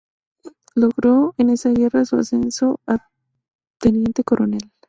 Logró en esa guerra su ascenso a teniente coronel.